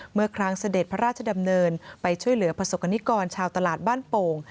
เมื่อครั้งเสด็จพระราชดำเนินไปช่วยเหลือประสบกรณิกรชาวตลาดบ้านโป่ง